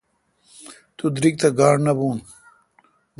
تو درگ تھ گاݨڈ نہ بھو۔